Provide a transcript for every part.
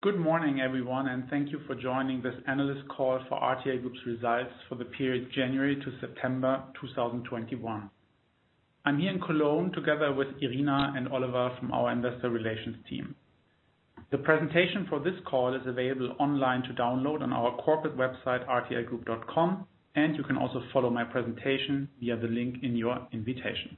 Good morning, everyone, and thank you for joining this analyst call for RTL Group's results for the period January to September 2021. I'm here in Cologne together with Irina and Oliver from our investor relations team. The presentation for this call is available online to download on our corporate website, rtlgroup.com, and you can also follow my presentation via the link in your invitation.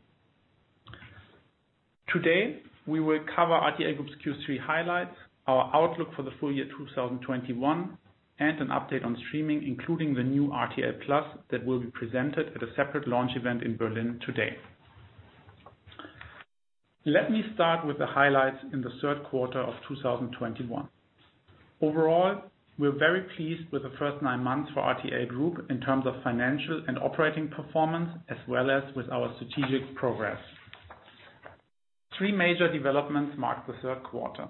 Today, we will cover RTL Group's Q3 highlights, our outlook for the full year 2021, and an update on streaming, including the new RTL+ that will be presented at a separate launch event in Berlin today. Let me start with the highlights in the third quarter of 2021. Overall, we're very pleased with the first nine months for RTL Group in terms of financial and operating performance, as well as with our strategic progress. Three major developments marked the third quarter.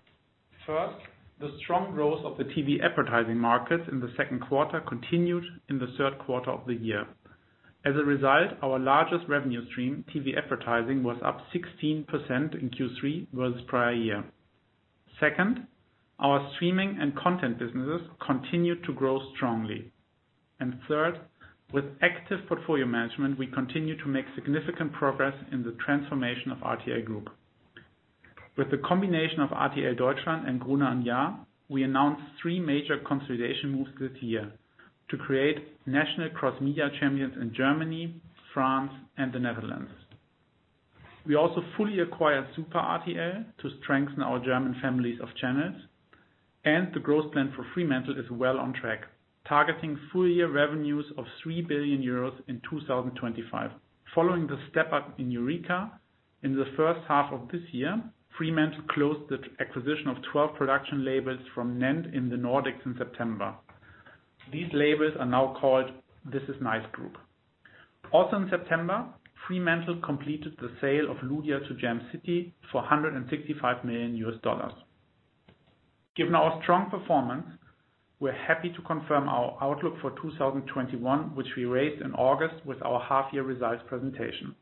First, the strong growth of the TV advertising market in the second quarter continued in the third quarter of the year. As a result, our largest revenue stream, TV advertising, was up 16% in Q3 versus prior year. Second, our streaming and content businesses continued to grow strongly. Third, with active portfolio management, we continue to make significant progress in the transformation of RTL Group. With the combination of RTL Deutschland and Gruner + Jahr, we announced three major consolidation moves this year to create national cross-media champions in Germany, France, and the Netherlands. We also fully acquired Super RTL to strengthen our German families of channels, and the growth plan for Fremantle is well on track, targeting full-year revenues of 3 billion euros in 2025. Following the step-up in Eureka in the first half of this year, Fremantle closed the acquisition of 12 production labels from NENT in the Nordics in September. These labels are now called This Is Nice Group. Also in September, Fremantle completed the sale of Ludia to Jam City for $165 million. Given our strong performance, we're happy to confirm our outlook for 2021, which we raised in August with our half year results presentation.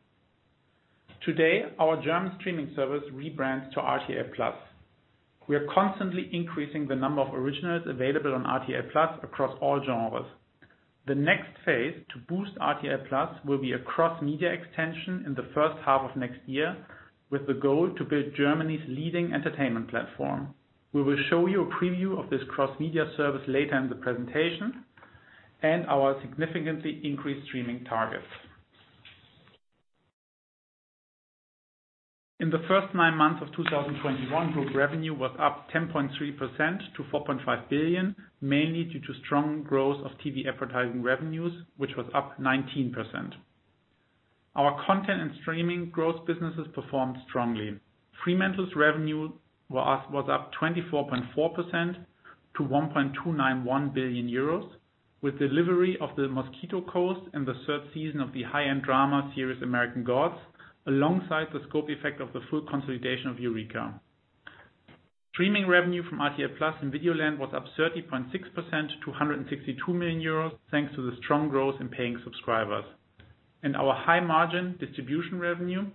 Today, our German streaming service rebrands to RTL+. We are constantly increasing the number of originals available on RTL+ across all genres. The next phase to boost RTL+ will be a cross-media extension in the first half of next year with the goal to build Germany's leading entertainment platform. We will show you a preview of this cross media service later in the presentation and our significantly increased streaming targets. In the first nine months of 2021, group revenue was up 10.3% to 4.5 billion, mainly due to strong growth of TV advertising revenues, which was up 19%. Our content and streaming growth businesses performed strongly. Fremantle's revenue was up 24.4% to 1.291 billion euros, with delivery of The Mosquito Coast and the third season of the high-end drama series, American Gods, alongside the scope effect of the full consolidation of Eureka. Streaming revenue from RTL+ and Videoland was up 30.6% to 162 million euros, thanks to the strong growth in paying subscribers. Our high margin distribution revenue,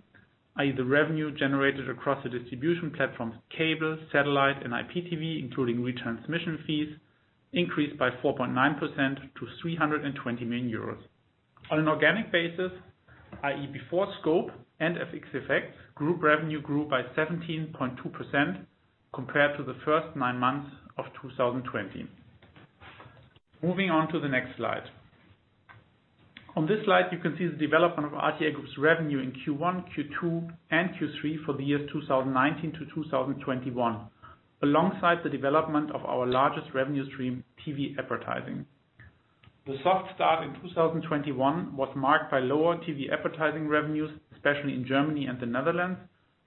i.e., the revenue generated across the distribution platforms, cable, satellite, and IPTV, including retransmission fees, increased by 4.9% to 320 million euros. On an organic basis, i.e., before scope and FX effects, group revenue grew by 17.2% compared to the first nine months of 2020. Moving on to the next slide. On this slide, you can see the development of RTL Group's revenue in Q1, Q2, and Q3 for the years 2019 to 2021, alongside the development of our largest revenue stream, TV advertising. The soft start in 2021 was marked by lower TV advertising revenues, especially in Germany and the Netherlands,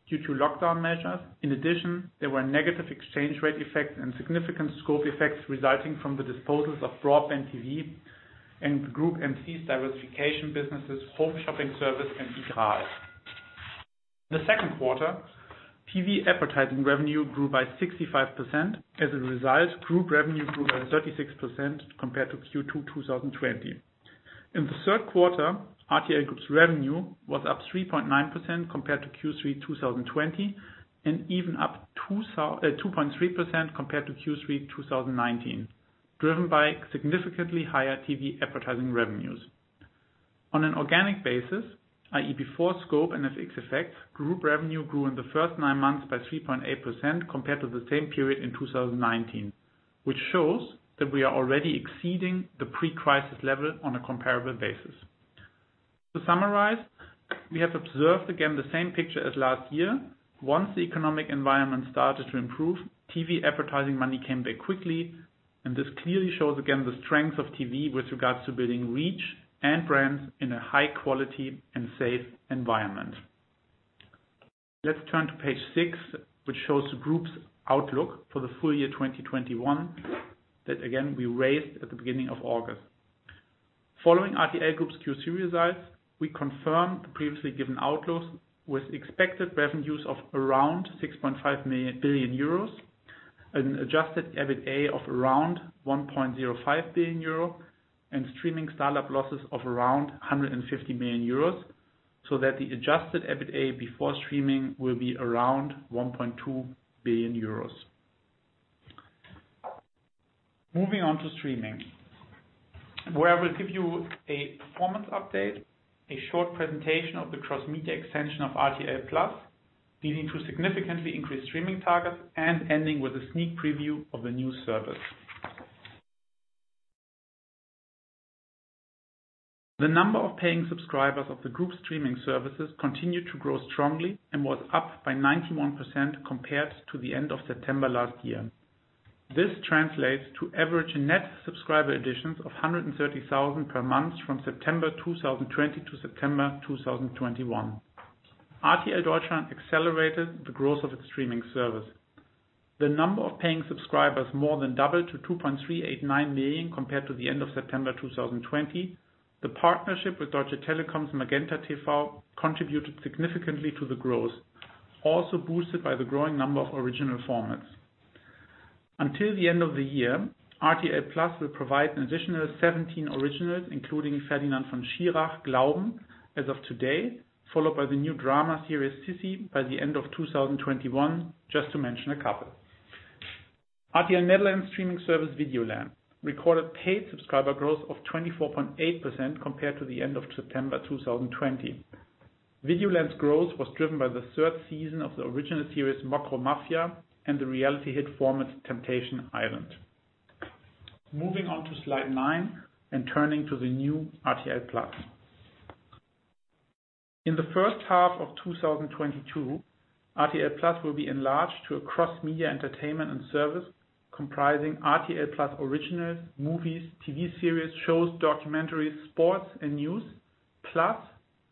due to lockdown measures. In addition, there were negative exchange rate effects and significant scope effects resulting from the disposals of BroadbandTV and Groupe M6's diversification businesses, Home Shopping Service, and iGraal. In the second quarter, TV advertising revenue grew by 65%. As a result, group revenue grew by 36% compared to Q2 2020. In the third quarter, RTL Group's revenue was up 3.9% compared to Q3 2020, and even up 2.3% compared to Q3 2019, driven by significantly higher TV advertising revenues. On an organic basis, i.e., before scope and FX effects, group revenue grew in the first nine months by 3.8% compared to the same period in 2019, which shows that we are already exceeding the pre-crisis level on a comparable basis. To summarize, we have observed again the same picture as last year. Once the economic environment started to improve, TV advertising money came back quickly, and this clearly shows again the strength of TV with regards to building reach and brands in a high quality and safe environment. Let's turn to page six, which shows the group's outlook for the full year 2021, that again, we raised at the beginning of August. Following RTL Group's Q3 results, we confirm the previously given outlooks with expected revenues of around 6.5 billion euros, an adjusted EBITA of around 1.05 billion euro, and streaming startup losses of around 150 million euros. That the adjusted EBITA before streaming will be around 1.2 billion euros. Moving on to streaming, where I will give you a performance update, a short presentation of the cross-media extension of RTL+, leading to significantly increased streaming targets and ending with a sneak preview of the new service. The number of paying subscribers of the group streaming services continued to grow strongly and was up by 91% compared to the end of September last year. This translates to average net subscriber additions of 130,000 per month from September 2020 to September 2021. RTL Deutschland accelerated the growth of its streaming service. The number of paying subscribers more than doubled to 2.389 million compared to the end of September 2020. The partnership with Deutsche Telekom's MagentaTV contributed significantly to the growth, also boosted by the growing number of original formats. Until the end of the year, RTL+ will provide an additional 17 originals, including Ferdinand von Schirach: Glauben as of today, followed by the new drama series Sisi by the end of 2021, just to mention a couple. RTL Nederland streaming service Videoland recorded paid subscriber growth of 24.8% compared to the end of September 2020. Videoland's growth was driven by the third season of the original series Mocro Maffia and the reality hit format Temptation Island. Moving on to slide nine and turning to the new RTL+. In the first half of 2022, RTL+ will be enlarged to a cross-media entertainment and service comprising RTL+ originals, movies, TV series, shows, documentaries, sports, and news. Plus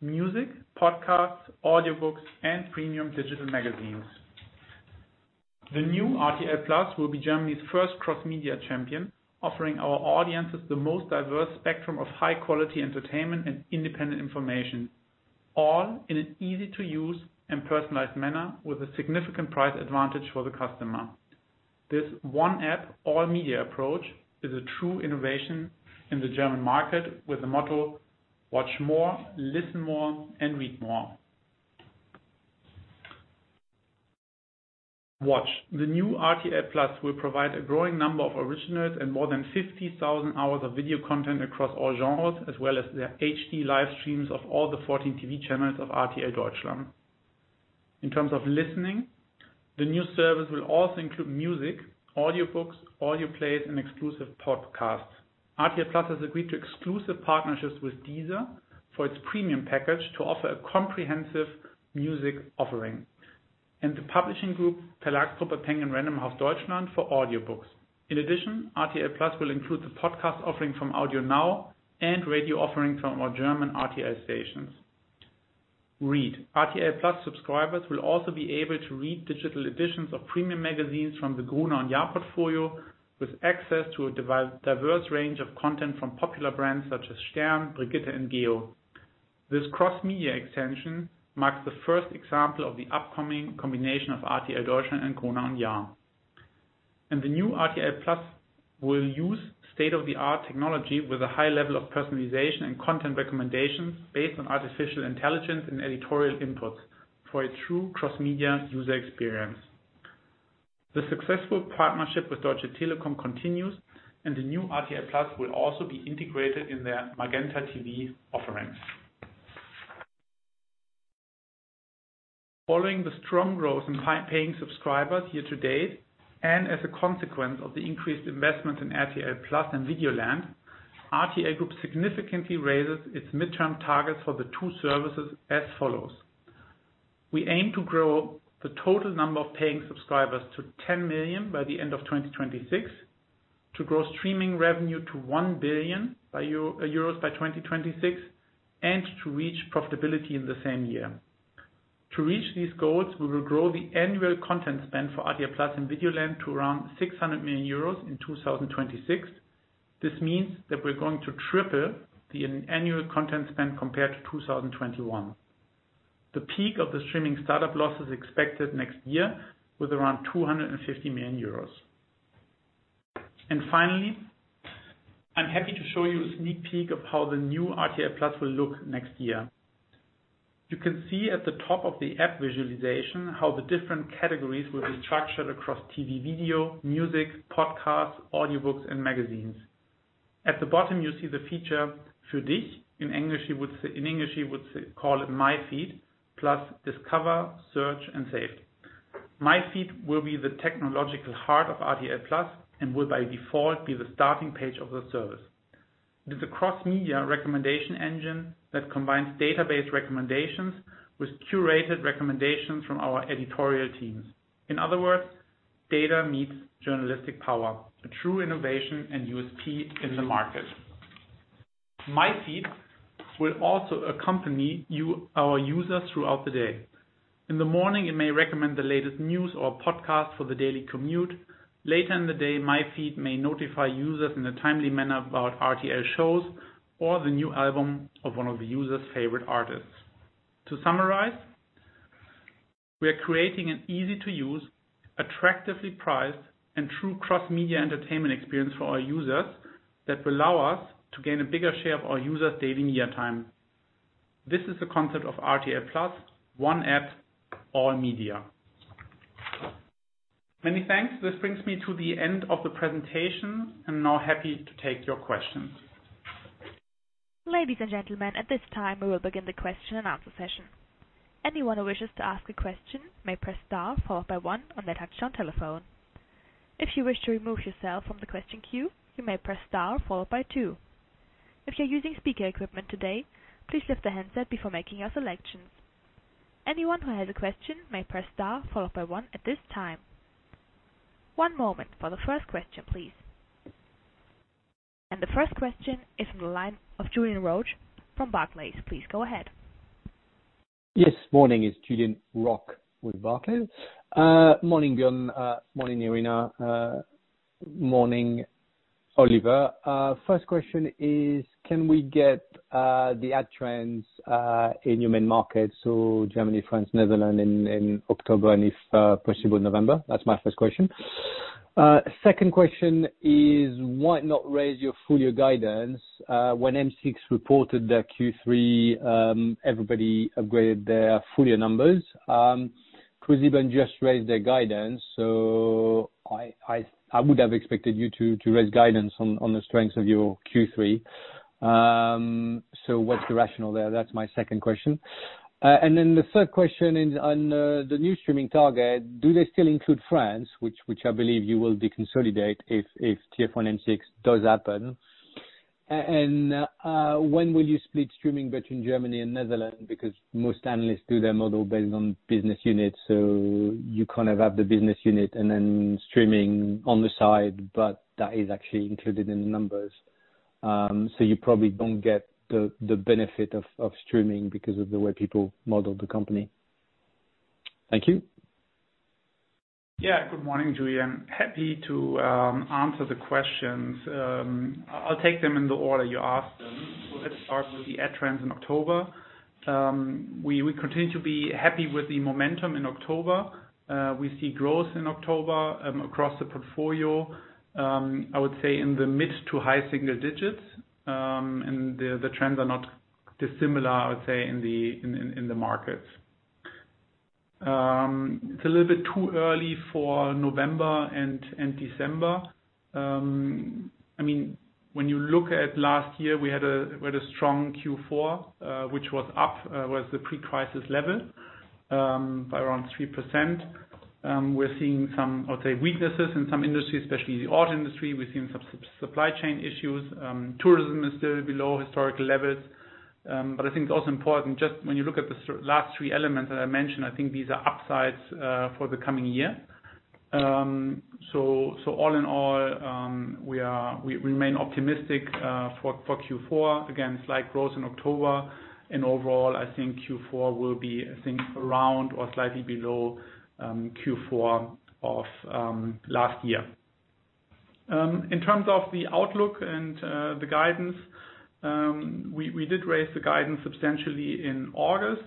music, podcasts, audiobooks, and premium digital magazines. The new RTL+ will be Germany's first cross-media champion, offering our audiences the most diverse spectrum of high-quality entertainment and independent information, all in an easy-to-use and personalized manner with a significant price advantage for the customer. This one app, all media approach is a true innovation in the German market with the motto, "Watch more, listen more, and read more." Watch. The new RTL+ will provide a growing number of originals and more than 50,000 hours of video content across all genres, as well as the HD live streams of all the 14 TV channels of RTL Deutschland. In terms of listening, the new service will also include music, audiobooks, audio plays, and exclusive podcasts. RTL+ has agreed to exclusive partnerships with Deezer for its premium package to offer a comprehensive music offering. The publishing group, Penguin Random House Verlagsgruppe, for audiobooks. In addition, RTL+ will include the podcast offering from Audio Now and radio offering from our German RTL stations. Read. RTL+ subscribers will also be able to read digital editions of premium magazines from the Gruner + Jahr portfolio, with access to a diverse range of content from popular brands such as Stern, Brigitte, and Geo. This cross-media extension marks the first example of the upcoming combination of RTL Deutschland and Gruner + Jahr. The new RTL+ will use state-of-the-art technology with a high level of personalization and content recommendations based on artificial intelligence and editorial inputs for a true cross-media user experience. The successful partnership with Deutsche Telekom continues, and the new RTL+ will also be integrated in their MagentaTV offerings. Following the strong growth in high-paying subscribers year to date, and as a consequence of the increased investment in RTL+ and Videoland, RTL Group significantly raises its midterm targets for the two services as follows. We aim to grow the total number of paying subscribers to 10 million by the end of 2026, to grow streaming revenue to 1 billion euros by 2026, and to reach profitability in the same year. To reach these goals, we will grow the annual content spend for RTL+ and Videoland to around 600 million euros in 2026. This means that we're going to triple the annual content spend compared to 2021. The peak of the streaming startup loss is expected next year with around 250 million euros. Finally, I'm happy to show you a sneak peek of how the new RTL+ will look next year. You can see at the top of the app visualization how the different categories will be structured across TV video, music, podcasts, audiobooks, and magazines. At the bottom, you see the feature, Für Dich. In English, you would call it My Feed, plus Discover, Search, and Saved. My Feed will be the technological heart of RTL+ and will by default be the starting page of the service. It is a cross-media recommendation engine that combines database recommendations with curated recommendations from our editorial teams. In other words, data meets journalistic power. A true innovation and USP in the market. My Feed will also accompany you, our users throughout the day. In the morning, it may recommend the latest news or podcast for the daily commute. Later in the day, My Feed may notify users in a timely manner about RTL shows or the new album of one of the user's favorite artists. To summarize, we are creating an easy-to-use, attractively priced, and true cross-media entertainment experience for our users that will allow us to gain a bigger share of our users' daily media time. This is the concept of RTL+, one app, all media. Many thanks. This brings me to the end of the presentation. I'm now happy to take your questions. Ladies and gentlemen, at this time, we will begin the question and answer session. Anyone who wishes to ask a question may press star followed by one on their touch-tone telephone. If you wish to remove yourself from the question queue, you may press star followed by two. If you're using speaker equipment today, please lift the handset before making your selections. Anyone who has a question may press star followed by one at this time. One moment for the first question, please. The first question is from the line of Julien Roch from Barclays. Please go ahead. Yes. Morning. It's Julien Roch with Barclays. Morning, Björn. Morning, Irina. Morning, Oliver. First question is, can we get the ad trends in your main markets, so Germany, France, Netherlands in October, and if possible November? That's my first question. Second question is, why not raise your full year guidance? When M6 reported their Q3, everybody upgraded their full year numbers. Cruz even just raised their guidance, so I would have expected you to raise guidance on the strengths of your Q3. So what's the rationale there? That's my second question. Third question is on the new streaming target. Do they still include France, which I believe you will deconsolidate if TF1 M6 does happen? And when will you split streaming between Germany and Netherlands? Because most analysts do their model based on business units, you kind of have the business unit and then streaming on the side, but that is actually included in the numbers. You probably don't get the benefit of streaming because of the way people model the company. Thank you. Yeah. Good morning, Julien. Happy to answer the questions. I'll take them in the order you asked them. Let's start with the ad trends in October. We continue to be happy with the momentum in October. We see growth in October across the portfolio. I would say in the mid- to high-single-digit %. The trends are not dissimilar, I would say, in the markets. It's a little bit too early for November and December. I mean, when you look at last year, we had a strong Q4, which was up to the pre-crisis level by around 3%. We're seeing some weaknesses, I would say, in some industries, especially the auto industry. We're seeing some supply chain issues. Tourism is still below historical levels. I think it's also important just when you look at the last three elements that I mentioned. I think these are upsides for the coming year. All in all, we remain optimistic for Q4. Again, slight growth in October, and overall, I think Q4 will be around or slightly below Q4 of last year. In terms of the outlook and the guidance, we did raise the guidance substantially in August.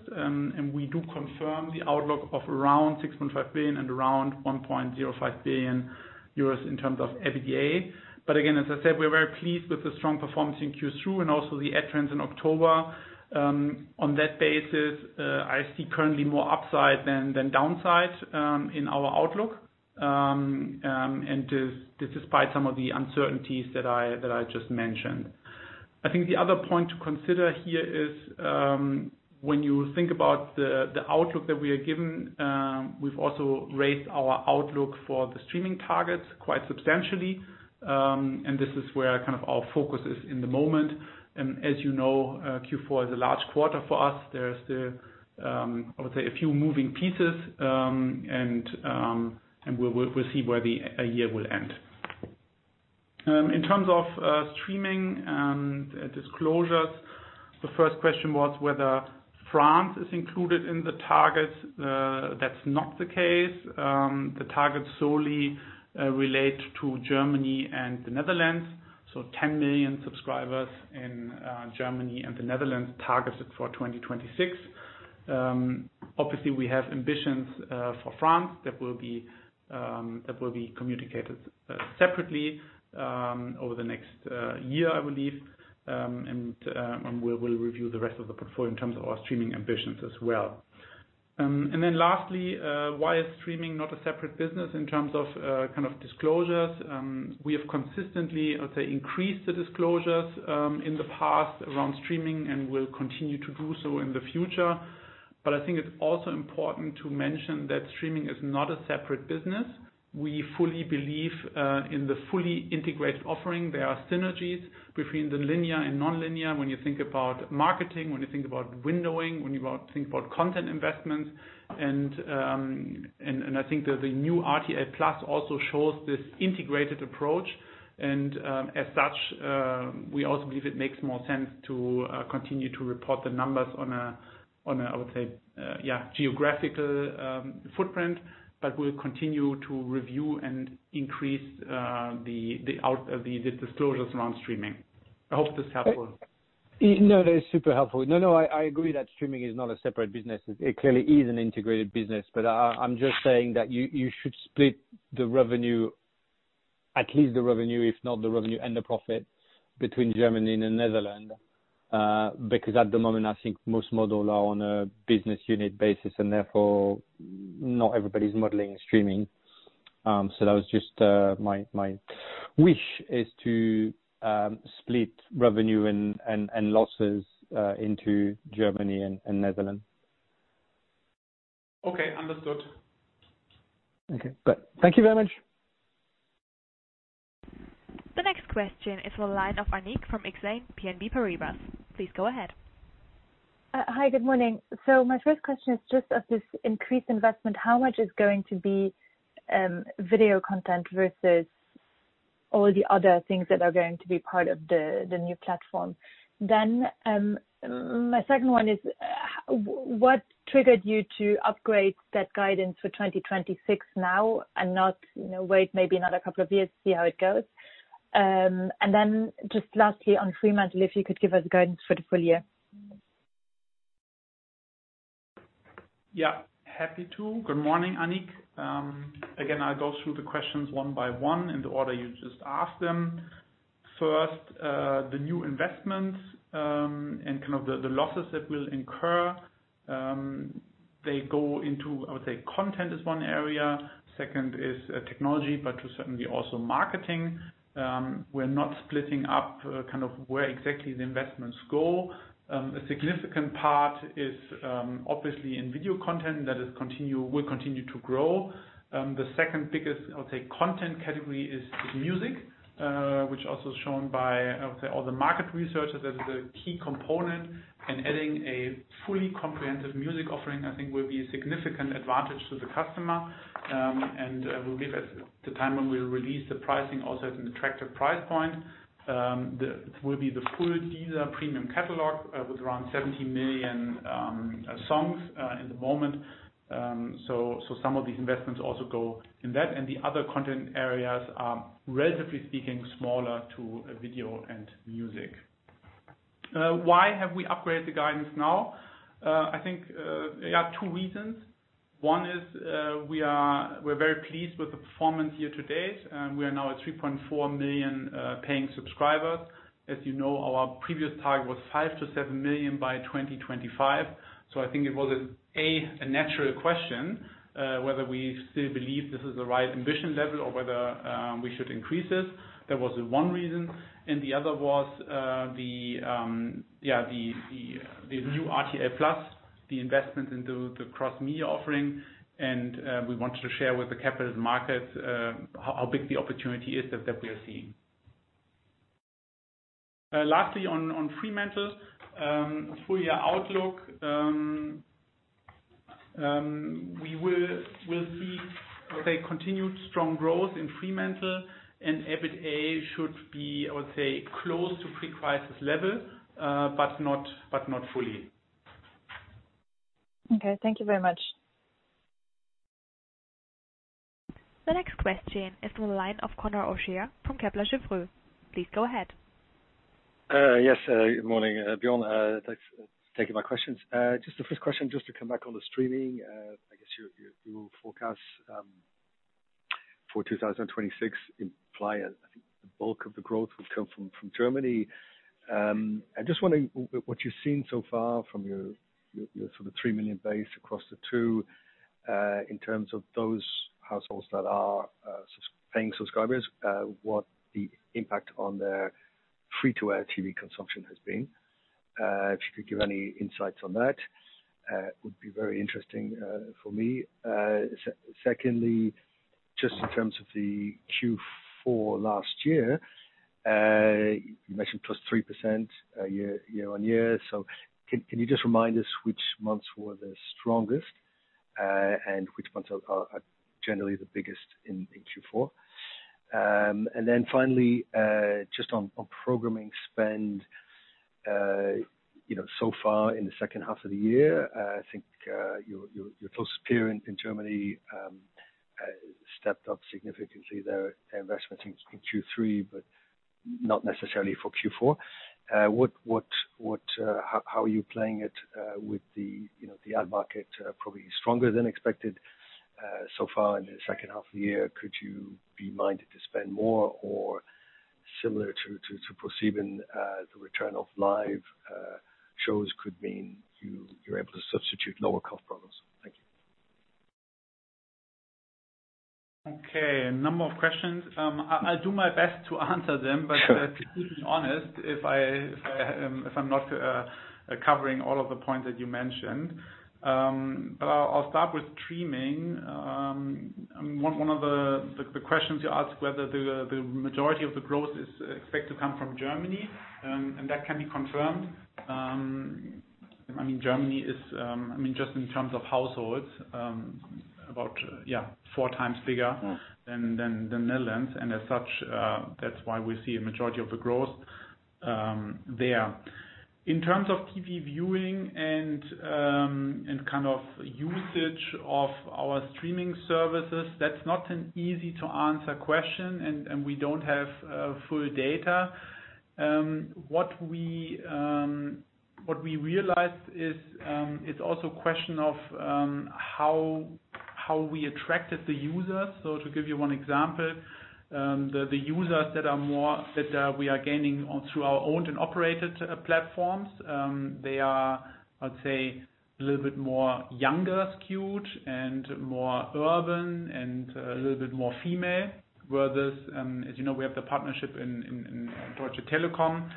We do confirm the outlook of around 6.5 billion and around 1.05 billion euros in terms of EBITA. Again, as I said, we're very pleased with the strong performance in Q2 and also the ad trends in October. On that basis, I see currently more upside than downside in our outlook. Despite some of the uncertainties that I just mentioned. I think the other point to consider here is, when you think about the outlook that we are given, we've also raised our outlook for the streaming targets quite substantially. This is where kind of our focus is in the moment. As you know, Q4 is a large quarter for us. There's, I would say, a few moving pieces, and we'll see where the year will end. In terms of streaming disclosures, the first question was whether France is included in the targets. That's not the case. The targets solely relate to Germany and the Netherlands, so 10 million subscribers in Germany and the Netherlands targeted for 2026. Obviously, we have ambitions for France that will be communicated separately over the next year, I believe. We'll review the rest of the portfolio in terms of our streaming ambitions as well. Lastly, why is streaming not a separate business in terms of kind of disclosures? We have consistently, I would say, increased the disclosures in the past around streaming and will continue to do so in the future. I think it's also important to mention that streaming is not a separate business. We fully believe in the fully integrated offering. There are synergies between the linear and nonlinear when you think about marketing, when you think about windowing, when you think about content investments. I think that the new RTL+ also shows this integrated approach. As such, we also believe it makes more sense to continue to report the numbers on a, I would say, yeah, geographical footprint. We'll continue to review and increase the disclosures around streaming. I hope this is helpful. No, that is super helpful. No, I agree that streaming is not a separate business. It clearly is an integrated business, but I'm just saying that you should split the revenue, at least the revenue, if not the revenue and the profit between Germany and the Netherlands. Because at the moment, I think most models are on a business unit basis, and therefore not everybody's modeling streaming. That was just my wish is to split revenue and losses into Germany and the Netherlands. Okay, understood. Okay, good. Thank you very much. The next question is the line of Annick from Exane BNP Paribas. Please go ahead. Hi, good morning. My first question is just of this increased investment, how much is going to be video content versus all the other things that are going to be part of the new platform? My second one is, what triggered you to upgrade that guidance for 2026 now and not, you know, wait maybe another couple of years to see how it goes? Just lastly, on Fremantle, if you could give us guidance for the full year. Yeah. Happy to. Good morning, Annick. Again, I'll go through the questions one by one in the order you just asked them. First, the new investments, and kind of the losses that we'll incur, they go into, I would say content is one area. Second is technology, but to certainly also marketing. We're not splitting up kind of where exactly the investments go. A significant part is obviously in video content that will continue to grow. The second biggest, I would say, content category is music, which is also shown by, I would say, all the market researchers, that is a key component. Adding a fully comprehensive music offering, I think, will be a significant advantage to the customer. It'll give us the time when we release the pricing also at an attractive price point. It will be the full Deezer premium catalog, with around 70 million songs at the moment. Some of these investments also go in that, and the other content areas are, relatively speaking, smaller to video and music. Why have we upgraded the guidance now? I think there are two reasons. One is, we're very pleased with the performance year to date, and we are now at 3.4 million paying subscribers. As you know, our previous target was 5 million-7 million by 2025. I think it was a natural question whether we still believe this is the right ambition level or whether we should increase it. That was the one reason. The other was the new RTL+, the investment into the cross-media offering. We wanted to share with the capital markets how big the opportunity is that we are seeing. Lastly, on Fremantle, full year outlook, we will see, I would say, continued strong growth in Fremantle and EBITA should be, I would say, close to pre-crisis level, but not fully. Okay, thank you very much. The next question is the line of Conor O'Shea from Kepler Cheuvreux. Please go ahead. Good morning, Björn. Thanks for taking my questions. Just the first question, just to come back on the streaming. I guess your forecast for 2026 implies, I think the bulk of the growth will come from Germany. I'm just wondering what you've seen so far from your sort of 3 million base across the two, in terms of those households that are paying subscribers, what the impact on their free-to-air TV consumption has been. If you could give any insights on that, would be very interesting for me. Secondly, just in terms of the Q4 last year, you mentioned +3%, year-on-year. Can you just remind us which months were the strongest, and which months are generally the biggest in Q4? And then finally, just on programming spend, you know, so far in the second half of the year, I think your close peer in Germany stepped up significantly their investment in Q3, but not necessarily for Q4. What how are you playing it, with the, you know, the ad market probably stronger than expected, so far in the second half of the year? Could you be minded to spend more or similar to previous, the return of live shows could mean you're able to substitute lower cost programs? Thank you. Okay. A number of questions. I'll do my best to answer them. Sure Please be honest if I'm not covering all of the points that you mentioned. I'll start with streaming. One of the questions you ask, whether the majority of the growth is expected to come from Germany, and that can be confirmed. I mean, Germany is, I mean, just in terms of households, about four times bigger- Mm-hmm In the Netherlands. As such, that's why we see a majority of the growth there. In terms of TV viewing and kind of usage of our streaming services, that's not an easy to answer question, and we don't have full data. What we realized is, it's also a question of how we attracted the users. To give you one example, the users that we are gaining on through our owned and operated platforms, they are, I'd say, a little bit more younger skewed and more urban and a little bit more female. Whereas, as you know, we have the partnership in Deutsche Telekom.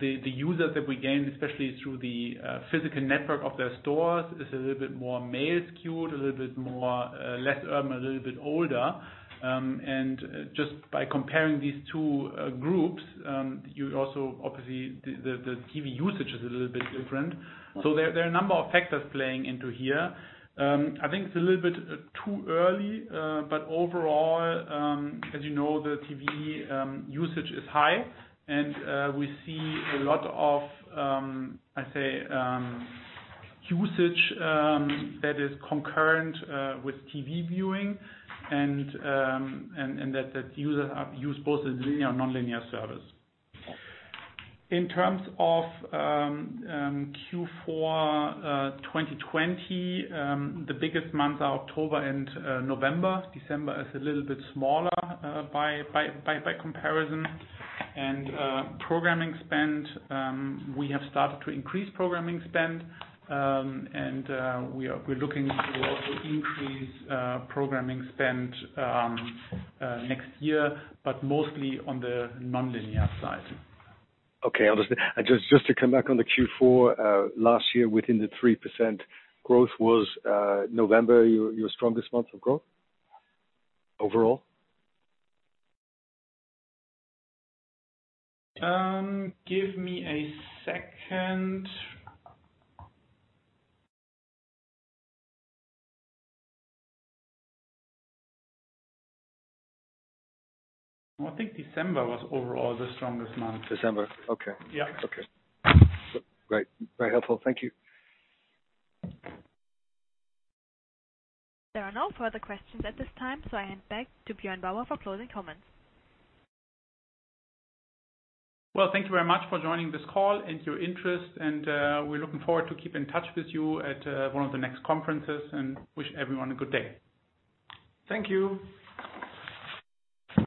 The users that we gain, especially through the physical network of their stores, is a little bit more male skewed, a little bit more less urban, a little bit older. Just by comparing these two groups, you also obviously the TV usage is a little bit different. There are a number of factors playing into here. I think it's a little bit too early, but overall, as you know, the TV usage is high and we see a lot of, I'd say, usage that is concurrent with TV viewing and that users have used both the linear and nonlinear service. In terms of Q4 2020, the biggest months are October and November. December is a little bit smaller by comparison. Programming spend, we have started to increase programming spend, and we're looking to also increase programming spend next year, but mostly on the nonlinear side. Okay. Understood. Just to come back on the Q4 last year, within the 3% growth, was November your strongest month of growth overall? Give me a second. I think December was overall the strongest month. December. Okay. Yeah. Okay. Great. Very helpful. Thank you. There are no further questions at this time, so I hand back to Björn Bauer for closing comments. Well, thank you very much for joining this call and your interest and, we're looking forward to keep in touch with you at, one of the next conferences, and wish everyone a good day. Thank you.